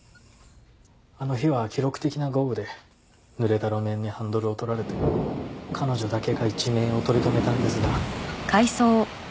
あの日は記録的な豪雨でぬれた路面にハンドルを取られて彼女だけが一命を取り留めたんですが。